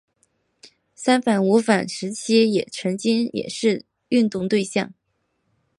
三反五反时期曾经也是运动对象。